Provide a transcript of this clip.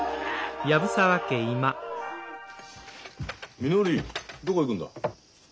みのりどこ行くんだ？